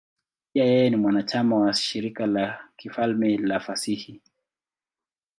Pia yeye ni mwanachama wa Shirika la Kifalme la Fasihi.